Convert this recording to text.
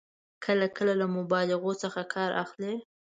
کله کله له مبالغو څخه کار اخلي.